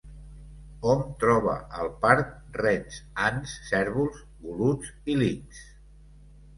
Hom troba al parc rens, ants, cérvols, goluts i linxs.